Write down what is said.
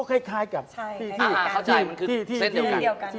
คล้ายกับที่เข้าใจมันคือที่เดียวกัน